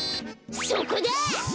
そこだ！